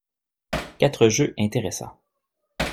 Quatre jeux intéressants.